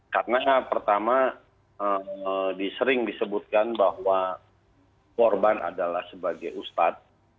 karena pertama sering disebutkan bahwa korban adalah sebagai ustad